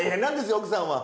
奥さんは。